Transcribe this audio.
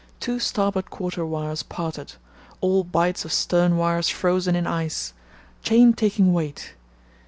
Two starboard quarter wires parted; all bights of stern wires frozen in ice; chain taking weight.